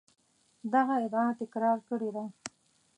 دغه ادعا تکرار کړې ده.